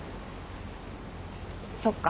そっか。